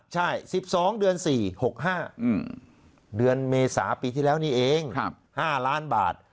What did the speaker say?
ใช่๑๒เดือน๔๖๕เดือนเมษาปีที่แล้วนี่เอง๕ล้านบาท